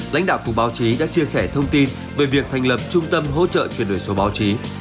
lãnh đạo cục báo chí đã chia sẻ thông tin về việc thành lập trung tâm hỗ trợ chuyển đổi số báo chí